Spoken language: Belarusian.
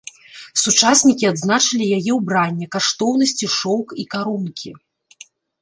Сучаснікі адзначылі яе ўбранне, каштоўнасці, шоўк і карункі.